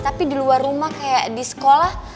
tapi di luar rumah kayak di sekolah